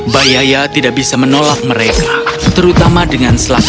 bayiaya tidak bisa menolak mereka terutama dengan slatena